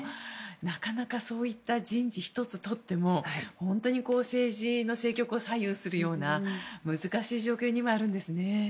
なかなかそういった人事１つとっても本当に政治の政局を左右するような難しい状況にあるんですね。